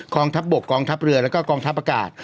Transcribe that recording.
ทัพบกกองทัพเรือแล้วก็กองทัพอากาศ